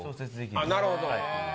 あなるほど。